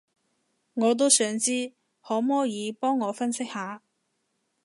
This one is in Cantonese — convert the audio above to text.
我都想知，可摸耳幫我分析下